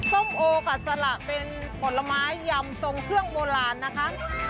ส้มโอค่ะสละเป็นผลไม้ยำทรงเครื่องโบราณนะคะ